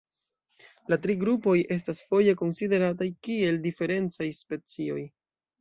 La tri grupoj estas foje konsiderataj kiel diferencaj specioj.